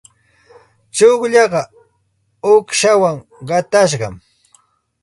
Tsullaaqa uuqshawan qatashqam.